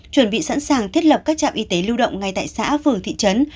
chuẩn bị sẵn sàng thiết lập các trạm y tế lưu động ngay tại xã phường thị trấn